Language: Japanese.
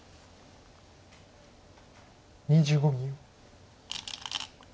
２５秒。